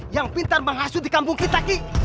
yang pintar mengasuh di kampung kita